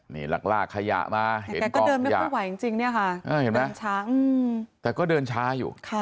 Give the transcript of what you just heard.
นี่ลากลากขยะมาเห็นกล้องขยะแต่แกก็เดินไม่ค่อยไหวจริงจริงเนี่ยค่ะเห็นไหมแต่ก็เดินช้าอยู่ค่ะ